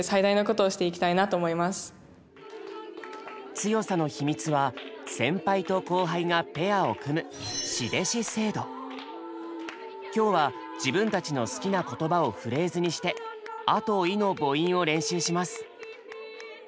強さの秘密は先輩と後輩がペアを組む今日は自分たちの好きな言葉をフレーズにして「ア」と「イ」の母音を練習します。